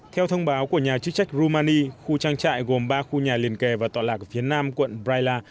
theo thông báo của nhà chức trách rumani khu trang trại gồm ba khu nhà liền kề và tọa lạc ở phía nam quận braila